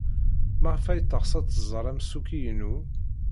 Maɣef ay teɣs ad tẓer amsukki-inu?